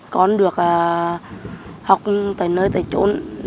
còn được học tại nơi tại chỗ